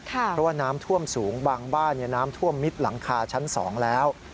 เพราะว่าน้ำท่วมสูงบางบ้านน้ำท่วมมิดหลังคาชั้น๒แล้ว